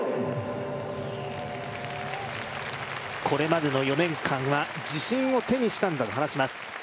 これまでの４年間は自信を手にしたんだと話します。